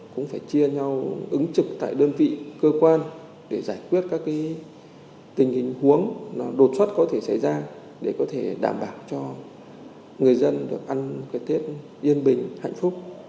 cũng phải chia nhau ứng trực tại đơn vị cơ quan để giải quyết các tình huống đột xuất có thể xảy ra để có thể đảm bảo cho người dân được ăn cái tết yên bình hạnh phúc